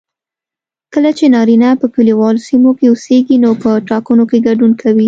کله چې نارینه په کليوالو سیمو کې اوسیږي نو په ټاکنو کې ګډون کوي